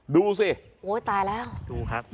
ดูสิโอ้ยตายแล้วดูครับ